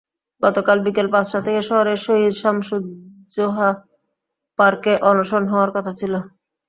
গতকাল বিকেল পাঁচটা থেকে শহরের শহীদ শামসুজ্জোহা পার্কে অনশন হওয়ার কথা ছিল।